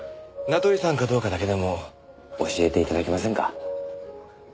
名取さんかどうかだけでも教えて頂けませんか？